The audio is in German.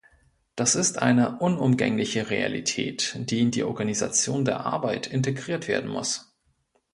Das ist eine unumgängliche Realität, die in die Organisation der Arbeit integriert werden muss.